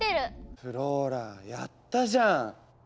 フローラやったじゃん！